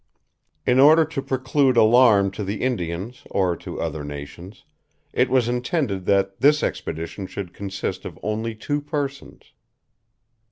In order to preclude alarm to the Indians or to other nations, it was intended that this expedition should consist of only two persons.